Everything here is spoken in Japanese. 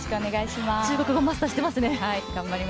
中国語マスターしていますね。